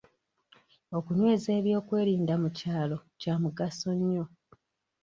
Okunyweza eby'okwerinda mu kyalo kya mugaso nnyo.